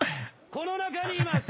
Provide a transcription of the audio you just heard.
この中にいます！